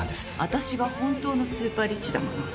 私が本当のスーパーリッチだもの。